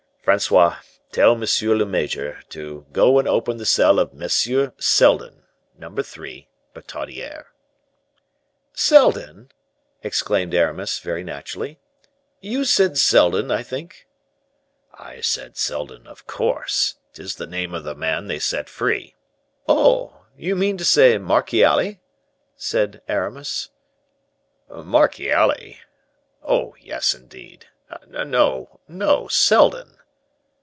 Francois, tell monsieur le major to go and open the cell of M. Seldon, No. 3, Bertaudiere." "Seldon!" exclaimed Aramis, very naturally. "You said Seldon, I think?" "I said Seldon, of course. 'Tis the name of the man they set free." "Oh! you mean to say Marchiali?" said Aramis. "Marchiali? oh! yes, indeed. No, no, Seldon."